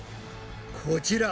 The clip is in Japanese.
こちら！